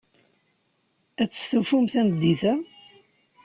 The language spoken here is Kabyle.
Ad testufum tameddit-a?